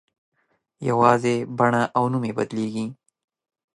یوازې بڼه او نوم یې بدلېږي.